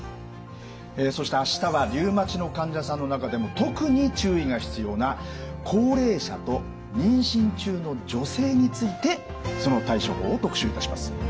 えそして明日はリウマチの患者さんの中でも特に注意が必要な高齢者と妊娠中の女性についてその対処法を特集いたします。